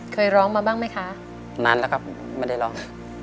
เคยร้องมาบ้างไหมคะนานแล้วครับไม่ได้ร้อง